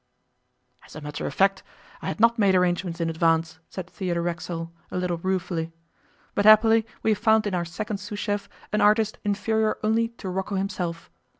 'As a matter of fact, I had not made arrangements in advance,' said Theodore Racksole, a little ruefully; 'but happily we have found in our second sous chef an artist inferior only to Rocco himself.